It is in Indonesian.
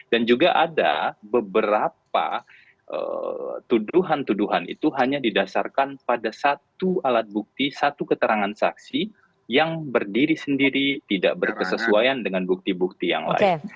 dan juga ada beberapa tuduhan tuduhan itu hanya didasarkan pada satu alat bukti satu keterangan saksi yang berdiri sendiri tidak berkesesuaian dengan bukti bukti yang lain